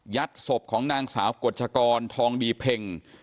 ศพของนางสาวกฎชกรทองดีเพ็ง